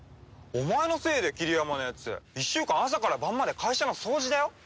お前のせいで桐山のやつ１週間朝から晩まで会社の掃除だよ？